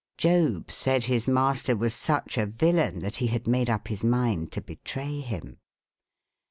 Job said his master was such a villain that he had made up his mind to betray him.